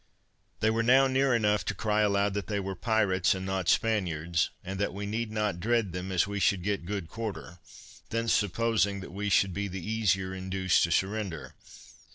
They were now near enough to cry aloud that they were pirates, and not Spaniards, and that we need not dread them, as we should get good quarter; thence supposing that we should be the easier induced to surrender.